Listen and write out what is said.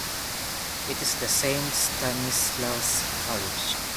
It is the Saint Stanislaus College.